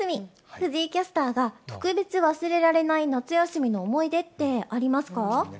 藤井キャスターが特別忘れられない夏休みの思い出ってありますか？